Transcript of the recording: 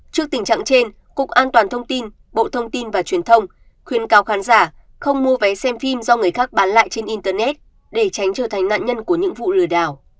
trước tình trạng trên cục an toàn thông tin bộ thông tin và truyền thông khuyên cao khán giả không mua vé xem phim do người khác bán lại trên internet để tránh trở thành nạn nhân của những vụ lừa đảo